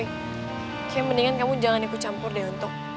kayaknya mendingan kamu jangan ikut campur deh untuk